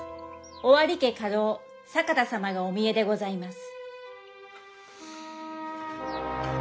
尾張家家老坂田様がお見えでございます。